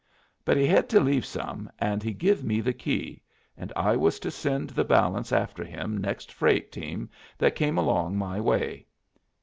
But he hed to leave some, and he give me the key, and I was to send the balance after him next freight team that come along my way.